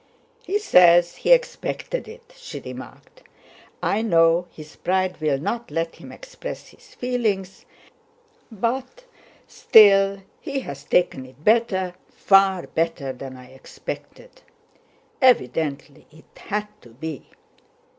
"He says he expected it," she remarked. "I know his pride will not let him express his feelings, but still he has taken it better, far better, than I expected. Evidently it had to be...."